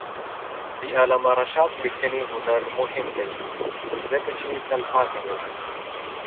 د علامه رشاد لیکنی هنر مهم دی ځکه چې تلپاتې دی.